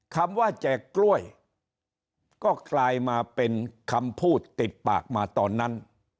คำว่าแจกกล้วยก็กลายมาเป็นคำพูดติดปากมาตอนนั้น